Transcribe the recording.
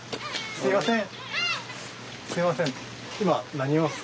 すいません。